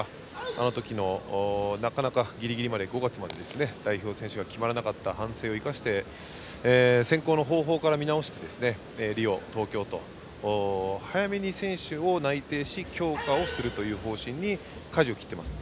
あの時もなかなかギリギリ、５月まで代表選手が決まらなかった反省を生かして選考の方法から見直してリオ、東京と早めに選手を内定し強化をするという方針にかじを切っています。